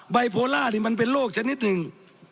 ไยโพล่านี่มันเป็นโรคชนิดหนึ่ง